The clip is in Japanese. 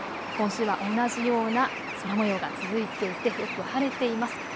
今週は同じような空もようが続いてよく晴れています。